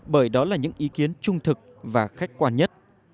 bởi đó là những ý kiến trung thực và khách quan nhất